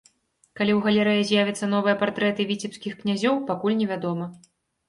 Калі у галерэі з'явяцца новыя партрэты віцебскіх князёў, пакуль невядома.